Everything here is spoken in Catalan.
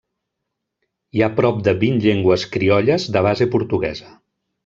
Hi ha prop de vint llengües criolles de base portuguesa.